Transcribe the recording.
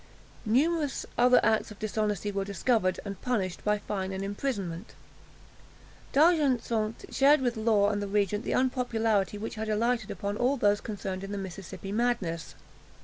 Numerous other acts of dishonesty were discovered, and punished, by fine and imprisonment. D'Argenson shared with Law and the regent the unpopularity which had alighted upon all those concerned in the Mississippi madness.